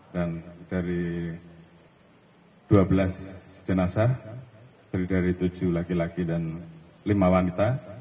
dan dari dua belas jenazah dari tujuh laki laki dan lima wanita